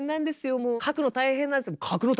もう書くの大変なんです」。